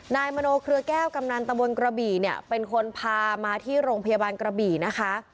นายมโนเครือแก้วกำนันตะบนกระบี่เนี่ยเป็นคนพามาที่โรงพยาบาลกระบี่นะคะ